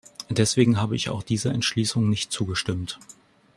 Deswegen habe ich auch dieser Entschließung nicht zugestimmt.